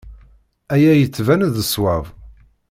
Aya yettban-d d ṣṣwab.